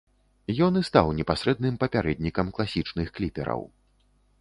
Ён і стаў непасрэдным папярэднікам класічных кліпераў.